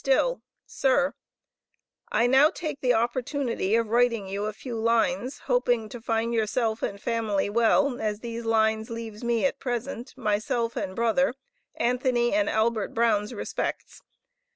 STILL Sir I now take the opportunity of writing you a few lins hoping to find yourself and famly well as thes lines leves me at present, myself and brother, Anthony & Albert brown's respects.